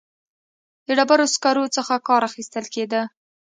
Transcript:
د ډبرو سکرو څخه کار اخیستل کېده.